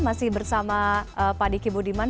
masih bersama pak diki budiman